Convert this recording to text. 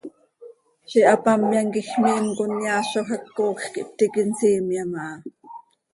Ziix hapamyam quij miim conyaazoj hac, coocj quih ptiiqui nsiimyam aha.